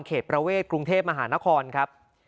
ประเวทกรุงเทพมหานครครับ